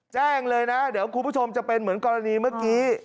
แจ้งเลยนะเดี๋ยวคุณผู้ชมจะเป็นเหมือนกรณีเมื่อกี้